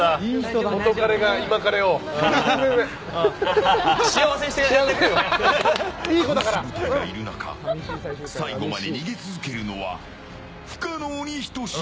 監視部隊がいる中最後まで逃げ続けるのは不可能に等しい。